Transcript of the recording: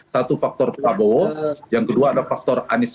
satu faktor kabur yang kedua ada faktor aneh